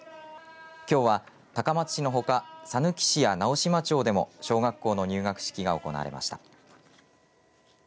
きょうは高松市のほかさぬき市や直島町でも小学校の入学式が行われました。